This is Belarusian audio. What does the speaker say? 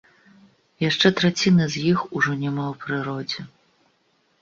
Яшчэ траціны з іх ужо няма ў прыродзе.